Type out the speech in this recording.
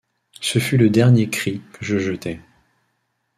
Ce fut le dernier cri que je jetai.